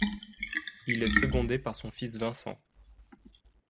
Il est secondé par son fils Vincent.